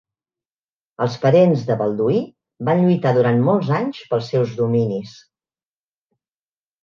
Els parents de Balduí van lluitar durant molts anys pels seus dominis.